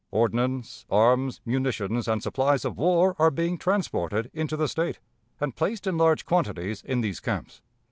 Ordnance, arms, munitions, and supplies of war are being transported into the State, and placed in large quantities in these camps.